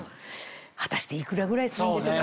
果たして幾らぐらいするんでしょうか？